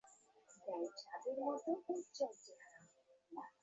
Messi ফিরে আসায় সবার চেয়ে বেশি খুশি হয়েছেন বার্সা কোচ জেরার্ডো মার্টিনো।